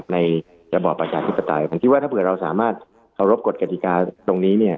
ในระบอบประชาธิปไตยผมคิดว่าถ้าเผื่อเราสามารถเคารพกฎกฎิกาตรงนี้เนี่ย